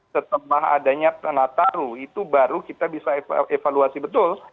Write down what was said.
setelah adanya nataru itu baru kita bisa evaluasi betul